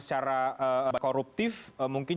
secara koruptif mungkin